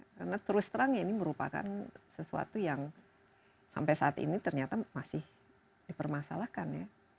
karena terus terang ini merupakan sesuatu yang sampai saat ini ternyata masih dipermasalahkan ya